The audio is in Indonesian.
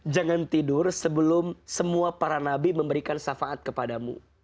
jangan tidur sebelum semua para nabi memberikan syafaat kepadamu